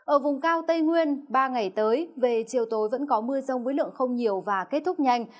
ở vùng cao tây nguyên ba ngày tới về chiều tối vẫn có mưa rông với lượng không nhiều và kết thúc nhanh